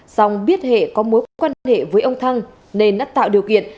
xong biết hệ có mối quan hệ với ông thăng nên đã tạo điều kiện